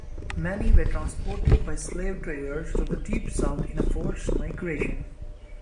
Many were transported by slave traders to the Deep South in a forced migration.